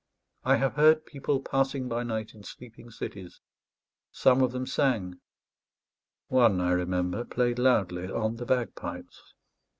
I have heard people passing by night in sleeping cities; some of them sang; one, I remember, played loudly on the bagpipes.